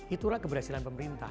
itulah keberhasilan pemerintah